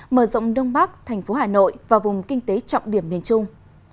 mở rộng đông bắc tp hanoi và vùng kinh tế trọng điểm miền trung